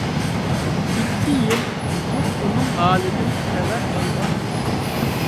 ئىككى يىل قۇتلۇق ئۇنىڭ ھالىدىن خەۋەر ئالغان ئىدى.